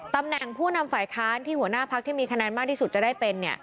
ตำแหน่งผู้นำฝ่ายค้านที่หัวหน้าพักที่มีคะแนนมากที่สุดจะได้เป็น